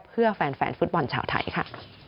เพื่อแฟนฟุตบอลชาวไทยค่ะ